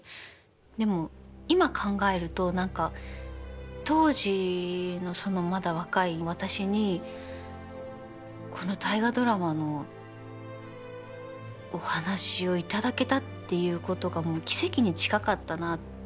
でも今考えると何か当時のそのまだ若い私にこの「大河ドラマ」のお話を頂けたっていうことがもう奇跡に近かったなって。